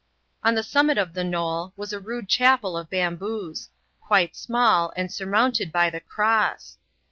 On the summit of the knoU was a rude chapel of bamboos ; quite small, and surmounted by the cross.